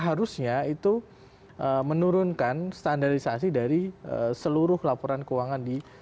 harusnya itu menurunkan standarisasi dari seluruh laporan keuangan di